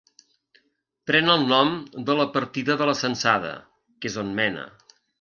Pren el nom de la partida de la Censada, que és on mena.